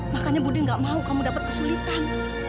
makanya budi gak mau kamu dapat kesulitan